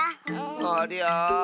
ありゃあ。